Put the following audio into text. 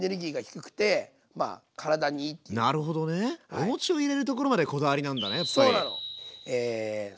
お餅を入れるところまでこだわりなんだねやっぱり。